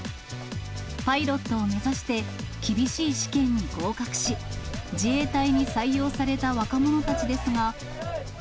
パイロットを目指して、厳しい試験に合格し、自衛隊に採用された若者たちですが。